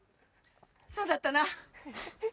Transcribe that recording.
そうだったな。